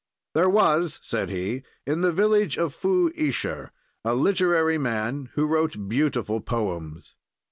"There was," said he, "in the village of Fu Isher, a literary man, who wrote beautiful poems.